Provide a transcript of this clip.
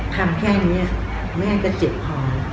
ทำแค่นี้แม่ก็เจ็บพอ